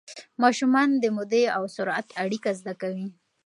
ماشومان د مودې او سرعت اړیکه زده کوي.